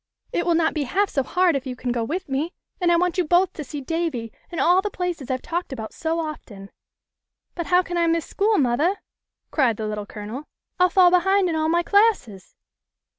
It will not be half so hard if you can go with me, and I want you both to see Davy and all the places I've talked about so often." " But how can I miss school, mothah ?" cried the Little Colonel. " I'll fall behind in all my classes."